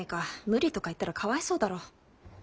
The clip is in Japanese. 無理とか言ったらかわいそうだろ。